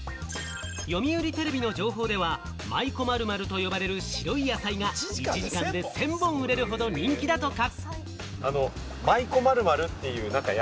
読売テレビの情報では、まいこ○○と言われる白い野菜が１時間で１０００本売れるほど人気だとか。